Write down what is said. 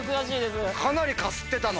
かなりかすってたの。